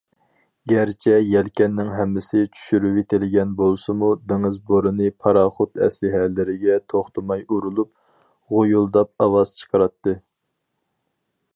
گەرچە يەلكەننىڭ ھەممىسى چۈشۈرۈۋېتىلگەن بولسىمۇ، دېڭىز بورىنى پاراخوت ئەسلىھەلىرىگە توختىماي ئۇرۇلۇپ غۇيۇلداپ ئاۋاز چىقىراتتى.